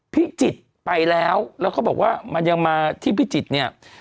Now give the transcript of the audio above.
พิจิตรไปแล้วแล้วเขาบอกว่ามันยังมาที่พิจิตรเนี่ย